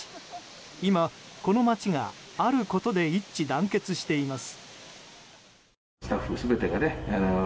今、この町があることで一致団結しています。